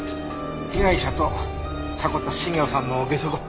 被害者と迫田茂夫さんのゲソ痕。